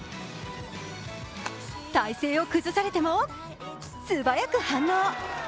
体勢を崩されても素早く反応。